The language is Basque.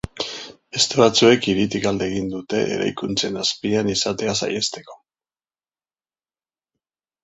Beste batzuek hiritik alde egin dute eraikuntzen azpian izatea saihesteko.